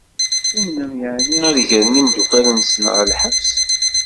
Tumnem yeɛni ad gren imdukal-nsen ɣer lḥebs?